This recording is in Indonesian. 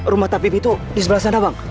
rumah tabib itu di sebelah sana bang